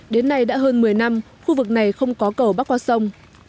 đến nay đã hơn một mươi năm khu vực này không có cầu bắc qua sông